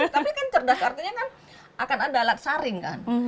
tapi kan cerdas artinya kan akan ada alat saring kan